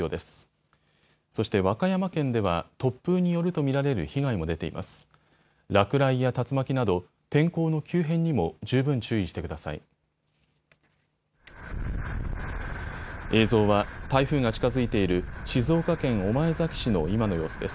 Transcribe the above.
映像は台風が近づいている静岡県御前崎市の今の様子です。